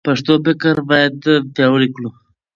پښتو فکر باید پیاوړی کړو.